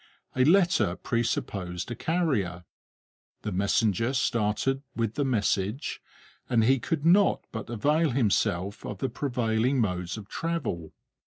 A letter presupposed a carrier. The messenger started with the message, and he could not but avail himself of the prevailing modes of travel.